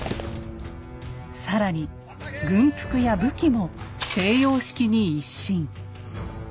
更に軍服や武器も西洋式に一新。